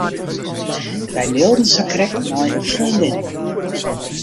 Wy mailden sakrekt nei in freondin.